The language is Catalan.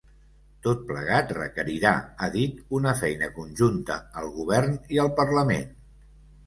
Tot plegat requerirà, ha dit, una feina conjunta al govern i al parlament.